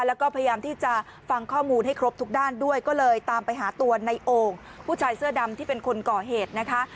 แล้วก็พยายามที่จะฟังข้อมูลให้ครบทุกด้านด้วยก็เลยตามไปหาตัวในโอ่งผู้ชายเสื้อดำที่เป็นคนก่อเหตุนะคะ